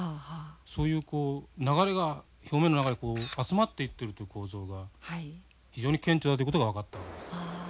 そういう流れが表面の中へ集まっていってるという構造が非常に顕著だということが分かったんです。